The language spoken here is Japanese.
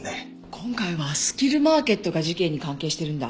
今回はスキルマーケットが事件に関係してるんだ。